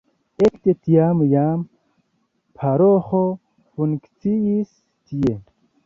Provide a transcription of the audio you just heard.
Ekde tiam jam paroĥo funkciis tie.